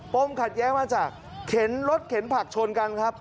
ขัดแย้งมาจากเข็นรถเข็นผักชนกันครับ